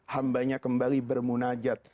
hambanya kembali bermunajat